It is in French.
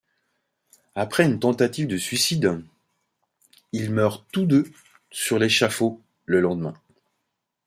Après une tentative de suicide, ils meurent tous deux sur l'échafaud le lendemain.